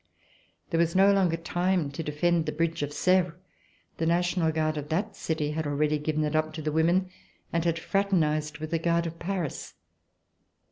There was no longer time to defend the bridge of Sevres. The National Guard of that city had already given it up to the women and had fraternized with the Guard of Paris.